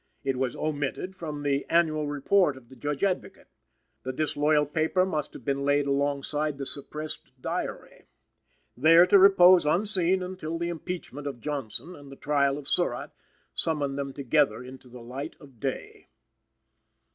It was omitted from the annual report of the Judge Advocate. The disloyal paper must have been laid alongside the suppressed "Diary," there to repose unseen until the Impeachment of Johnson and the Trial of Surratt summoned them together into the light of day.